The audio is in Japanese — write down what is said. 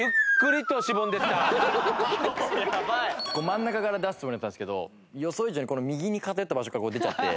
真ん中から出すつもりだったんですけど予想以上に右に偏った場所から出ちゃって。